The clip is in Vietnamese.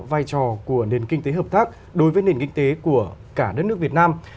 vai trò của nền kinh tế hợp tác đối với nền kinh tế của cả đất nước việt nam